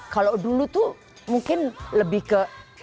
kalau dulu tuh mungkin lebih ke